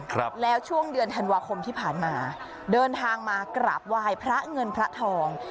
ครับแล้วช่วงเดือนธันวาคมที่ผ่านมาเดินทางมากราบไหว้พระเงินพระทอง